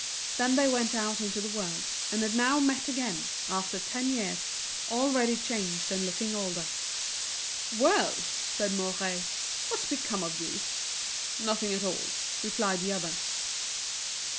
Then they went out into the world, and had now met again, after ten years, already changed and looking older. "Well," said Mouret, "what's become of you?" "Nothing at all," replied the other.